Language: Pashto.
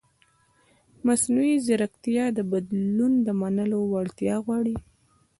مصنوعي ځیرکتیا د بدلون د منلو وړتیا غواړي.